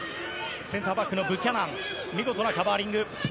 センターバックのブキャナン見事なカバーリング。